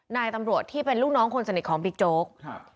นายตำรวจที่เป็นลูกน้องคนสนิทของบิ๊กโจ๊กครับ